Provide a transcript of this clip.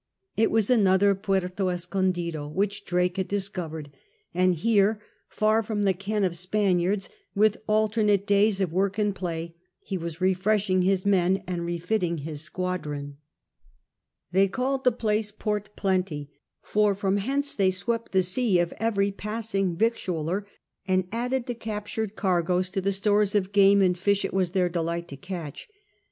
It was another Puerto Escondido which Drake had discovered, and here, far from the ken of Spaniards, with alternate days of work and play, he was refreshing his men and refitting his squadron. They called the place Port Plenty, for from hence they swept the sea of every passing victualler, and added the captured cargoes to the stores of game and fish it was their delight to catch.